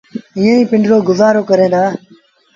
ائيٚݩ پنڊرو گزآرو ڪريݩ دآ۔